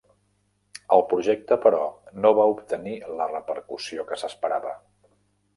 El projecte, però, no va obtenir la repercussió que s'esperava.